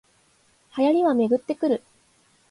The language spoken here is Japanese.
流行りはめぐってくる